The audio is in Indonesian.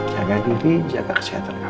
jaga diri jaga kesehatan